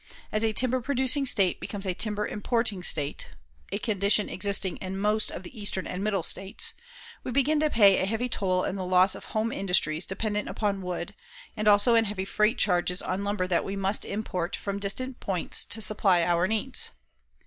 As a timber producing state becomes a timber importing state, (a condition existing in most of the eastern and middle states) we begin to pay a heavy toll in the loss of home industries dependent upon wood, and also in heavy freight charges on lumber that we must import from distant points to supply our needs.